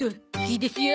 いいですよ